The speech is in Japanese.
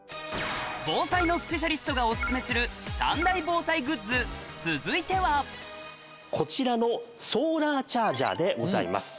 防災のスペシャリストがお薦めする三大防災グッズ続いてはこちらのソーラーチャージャーでございます。